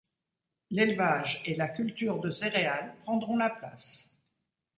L'élevage et la culture de céréales prendront la place.